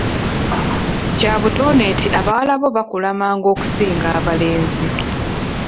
Kya butonde nti abawala bo bakula mangu okusinga abalenzi.